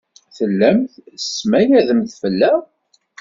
Tellamt tesmayademt fell-aɣ?